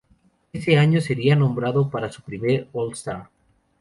Ese año sería nombrado para su primer "All-Star".